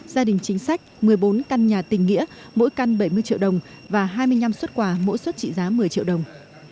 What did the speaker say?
gia đình chính sách một mươi bốn căn nhà tình nghĩa mỗi căn bảy mươi triệu đồng và hai mươi năm xuất quà mỗi xuất trị giá một mươi triệu đồng